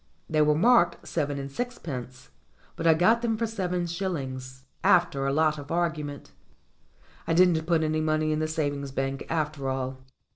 They were marked seven and sixpence, but I got them for seven shillings, after a lot of argument. I didn't put any money in the savings bank after all.